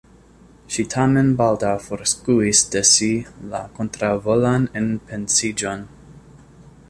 Ŝi tamen baldaŭ forskuis de si la kontraŭvolan enpensiĝon.